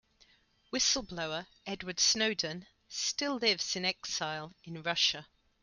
Whistle-blower Edward Snowden still lives in exile in Russia.